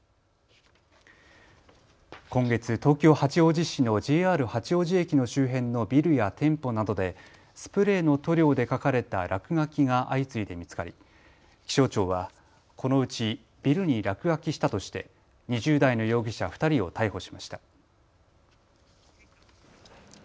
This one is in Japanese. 今月、東京八王子市のＪＲ八王子駅の周辺のビルや店舗などでスプレーの塗料で書かれた落書きが相次いで見つかり気象庁はこのうちビルに落書きしたとして２０代の容疑者２人を逮捕しました。